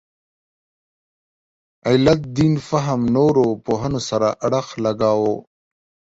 علت دین فهم نورو پوهنو سره اړخ لګاوه.